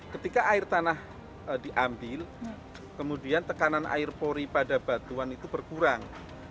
ketika air tanah diambil kemudian tekanan air pori pada batuan itu berkurang